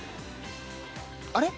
あれ？